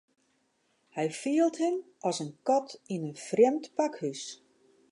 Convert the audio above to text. Hy fielt him as in kat yn in frjemd pakhús.